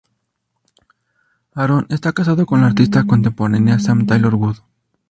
Aaron está casado con la artista contemporánea Sam Taylor Wood.